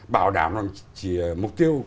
bảo đảm là mục tiêu